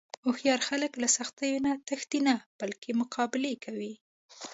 هوښیار خلک له سختیو نه تښتي نه، بلکې مقابله یې کوي.